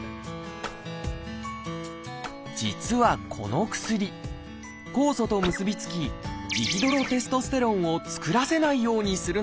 実はこの薬酵素と結び付きジヒドロテストステロンを作らせないようにするのです。